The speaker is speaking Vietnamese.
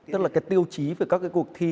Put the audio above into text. tức là cái tiêu chí về các cái cuộc thi